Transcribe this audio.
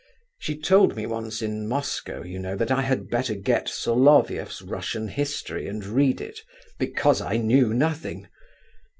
She told me once in Moscow, you know, that I had better get Solovieff's Russian History and read it, because I knew nothing.